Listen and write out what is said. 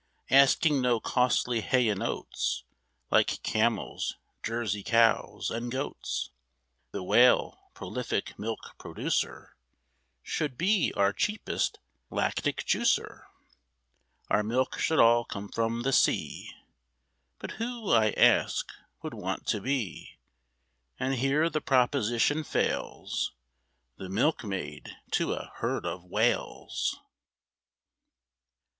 Asking no costly hay and oats, Like camels, Jersey cows, and goats, The Whale, prolific milk producer, Should be our cheapest lactic juicer. Our milk should all come from the sea, But who, I ask, would want to be, And here the proposition fails, The milkmaid to a herd of Whales?